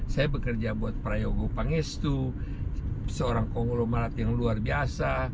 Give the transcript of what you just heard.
saya bekerja buat prayogo pangestu seorang konglomerat yang luar biasa